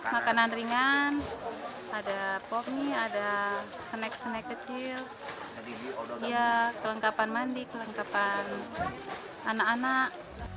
makanan ringan ada pomi ada snek snek kecil kelengkapan mandi kelengkapan anak anak